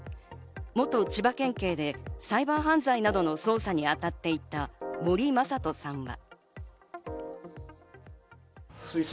元千葉県警でサイバー犯罪などの捜査に当たっていた森雅人さんは。